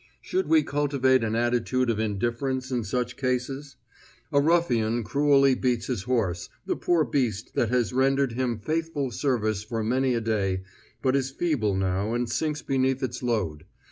Should we cultivate an attitude of indifference in such cases? A ruffian cruelly beats his horse, the poor beast that has rendered him faithful service for many a day, but is feeble now and sinks beneath its load.